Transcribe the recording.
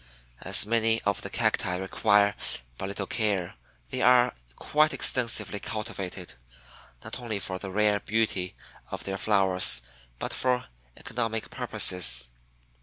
As many of the Cacti require but little care, they are quite extensively cultivated, not only for the rare beauty of their flowers, but for economic purposes.